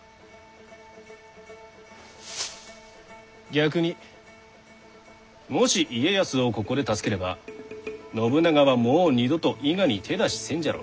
逆にもし家康をここで助ければ信長はもう二度と伊賀に手出しせんじゃろう。